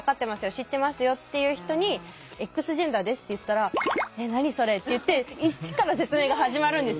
知ってますよ」って言う人に「Ｘジェンダーです」って言ったら「え何それ？」って言って一から説明が始まるんですよ。